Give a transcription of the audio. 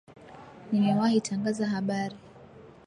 Nimewahi tangaza habari